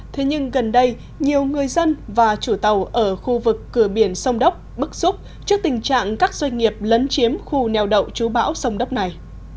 thế nhưng gần đây nhiều người dân và chủ tàu ở khu vực cửa biển sông đốc bức xúc trước tình trạng các doanh nghiệp lấn chiếm khu neo đậu chú bão sông đốc này